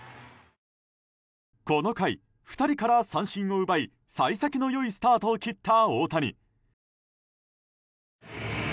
この回、２人から三振を奪い幸先の良いスタートを切った大谷。